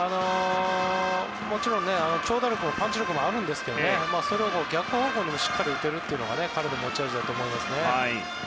もちろん長打力もパンチ力もあるんですけどそれを逆方向にもしっかり打てるのが彼の持ち味だと思います。